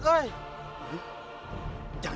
aku akan buktikan